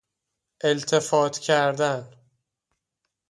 التفات کردن